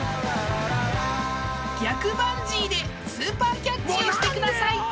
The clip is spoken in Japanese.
［逆バンジーでスーパーキャッチをしてください］